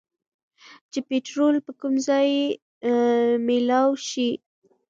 چې پيټرول به کوم ځايې مېلاؤ شي